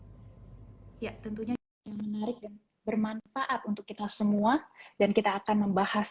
ya tentunya ini yang menarik dan bermanfaat untuk kita semua dan kita akan membahas